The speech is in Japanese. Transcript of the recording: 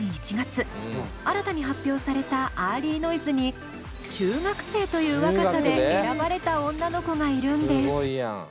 新たに発表された「ＥａｒｌｙＮｏｉｓｅ」に中学生という若さで選ばれた女の子がいるんです！